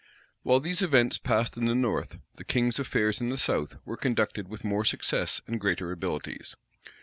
While these events passed in the north, the king's affairs in the south were conducted with more success and greater abilities.